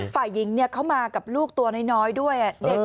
ฝ่ายหญิงเขามากับลูกตัวน้อยด้วย